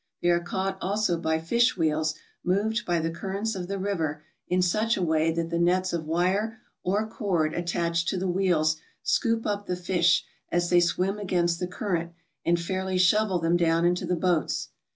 They are caught also by fish wheels moved by the currents of the river in such a way that the nets of wire or cord attached to the wheels scoop 25 ALASKA OUR NORTHERN WONDERLAND up the fish as they swim against the current and fairly shovel them down into the boats.